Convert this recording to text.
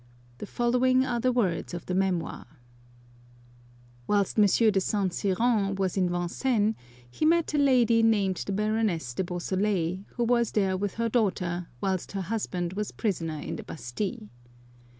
The following are the words of the memoir :—" Whilst M. de Saint Cyran was in Vincennes he met a lady named the Baroness de Beausoleil, who was there with her daughter, whilst her husband was prisoner in the Bastille.